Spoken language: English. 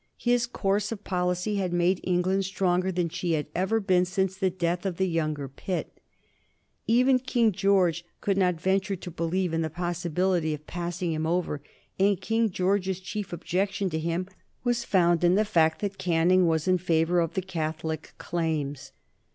His course of policy had made England stronger than she had ever been since the death of the younger Pitt. Even King George could not venture to believe in the possibility of passing him over, and King George's chief objection to him was found in the fact that Canning was in favor of the Catholic claims.